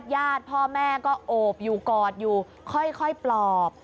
ญาติพ่อแม่ก็โอบอยู่กอดอยู่ค่อยปลอบ